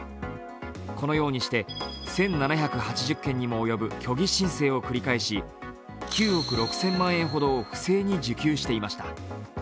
このようにして１７８０件にも及ぶ虚偽申請を繰り返し９億６０００万円ほどを不正に受給していました。